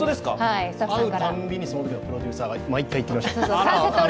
会うたびに、そのときのプロデューサーが言ってました。